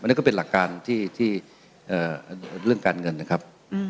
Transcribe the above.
อันนี้ก็เป็นหลักการที่เรื่องการเงินนะครับ